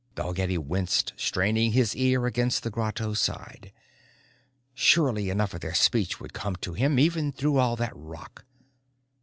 Dalgetty winced, straining his ear against the grotto side. Surely enough of their speech would come to him, even through all that rock!